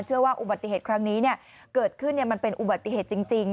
เชื่อว่าอุบัติเหตุครั้งนี้เกิดขึ้นมันเป็นอุบัติเหตุจริง